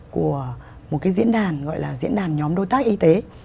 của một cái diễn đàn gọi là diễn đàn nhóm đối tác y tế